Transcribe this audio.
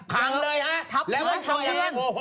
ขังเลยฮะแล้วคนตัวเอง